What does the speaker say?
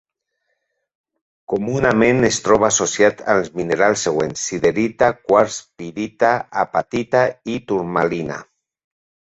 Comunament es troba associat als minerals següents: siderita, quars, pirita, apatita i turmalina.